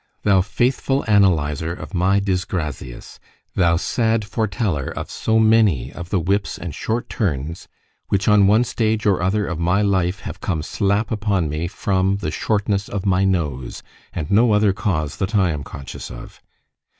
_ thou faithful analyzer of my Disgrazias—thou sad foreteller of so many of the whips and short turns which on one stage or other of my life have come slap upon me from the shortness of my nose, and no other cause, that I am conscious of.